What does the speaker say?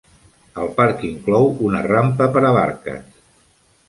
El parc inclou una rampa per a barques.